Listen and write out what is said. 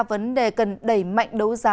vấn đề cần đẩy mạnh đấu giá